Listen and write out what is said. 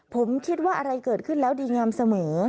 ผมคิดว่าอะไรเกิดขึ้นแล้วดีงามเสมอ